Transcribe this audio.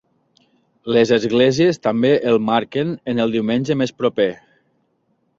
Les esglésies també el marquen en el diumenge més proper.